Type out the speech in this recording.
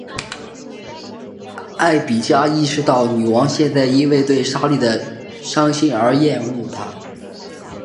艾碧嘉意识到女王现在因为对莎拉的伤心而厌恶她。